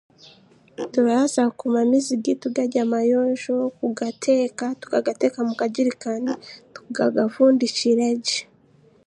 Turabaasa kukuuma amaizi gaitu gari amayonjo kugateeka, tukagateeka mu kagirikaani tukagafundikiragye.